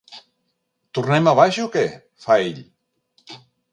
Tornem a baix o què? —fa ell.